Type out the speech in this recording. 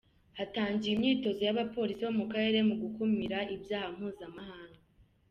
Hatangiye imyitozo y’abapolisi bo mu karere mu gukumira ibyaha mpuzamahanga.